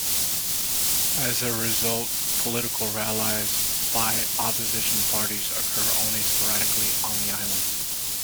As a result, political rallies by opposition parties occur only sporadically on the island.